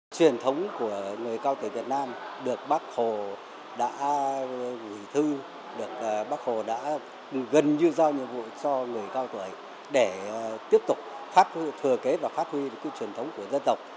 truyền thống của người cao tuổi việt nam được bác hồ đã hủy thư được bác hồ đã gần như giao nhiệm vụ cho người cao tuổi để tiếp tục phát huy thừa kế và phát huy được cái truyền thống của dân dọc